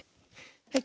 はい。